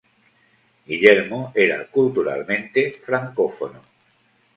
Guillermo era culturalmente francófono.